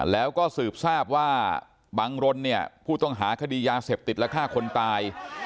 แล้วก็สืบทราบว่าบังรนเนี่ยผู้ต้องหาคดียาเสพติดและฆ่าคนตาย